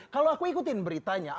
kalau aku ikutin beritanya